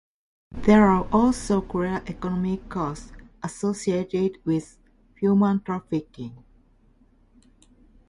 There are also clear economic costs associated with human trafficking.